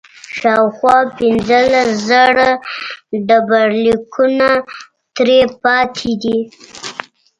شاوخوا پنځلس زره ډبرلیکونه ترې پاتې دي